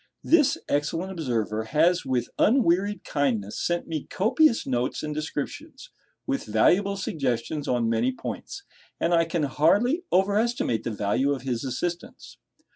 This excellent observer has with unwearied kindness sent me copious notes and descriptions, with valuable suggestions on many points; and I can hardly over estimate the value of his assistance.